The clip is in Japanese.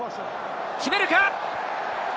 決めるか？